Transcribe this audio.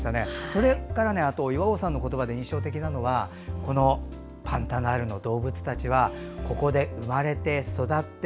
それから岩合さんの言葉で印象的なのはパンタナールの動物たちはここで生まれて育って